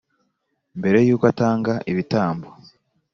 mbere y’uko atanga ibitambo